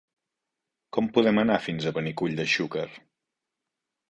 Com podem anar fins a Benicull de Xúquer?